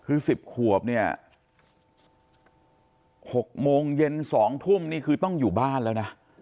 คือ๑๐ขวบเนี่ย๖โมงเย็น๒ทุ่มนี่คือต้องอยู่บ้านแล้วนะ